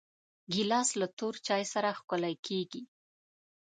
ګیلاس له تور چای سره ښکلی کېږي.